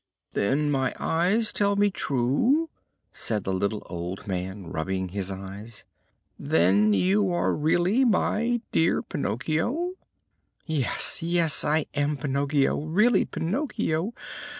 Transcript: "Then my eyes tell me true?" said the little old man, rubbing his eyes; "then you are really my dear Pinocchio?" "Yes, yes, I am Pinocchio, really Pinocchio!